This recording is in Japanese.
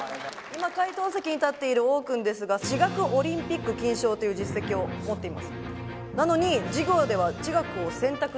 今解答席に立っている王君ですが地学オリンピック金賞という実績を持っています。